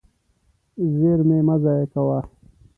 زېرمې مه ضایع کوه.